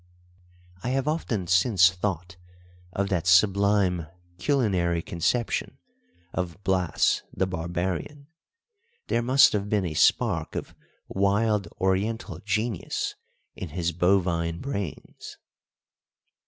I have often since thought of that sublime culinary conception of Blas the barbarian. There must have been a spark of wild Oriental genius in his bovine brains.